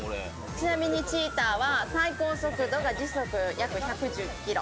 ちなみにチーターは最高速度が時速約１１０キロ。